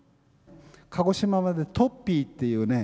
鹿児島まで「トッピー」っていうね